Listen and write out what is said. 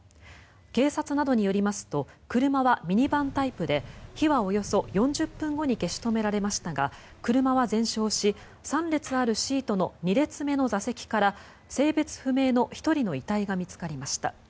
警察などによりますと車はミニバンタイプで火はおよそ４０分後に消し止められましたが車は全焼し３列あるシートの２列目の座席から性別不明の１人の遺体が見つかりました。